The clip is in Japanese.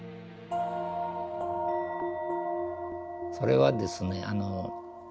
それはですね